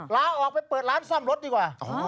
ลาออกไปเปิดร้านซ่อมรถดีกว่า